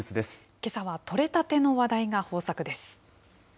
けさはとれたて話題が豊作です。